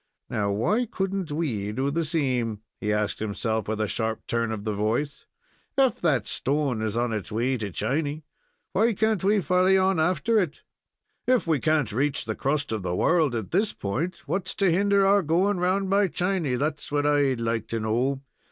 Now, why could n't we do the same?" he asked himself, with a sharp turn of the voice. "If that stone is on its way to Chiny, why can't we folly on after it? If we can't reach the crust of the world at this point, what's to hinder our going round by Chiny? that's what I'd like to know.